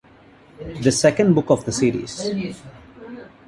The second book of the series.